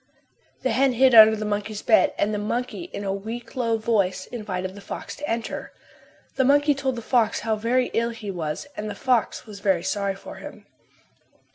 The hen hid under the monkey's bed and the monkey in a weak, low voice invited the fox to enter. The monkey told the fox how very ill he was and the fox was very sorry for him.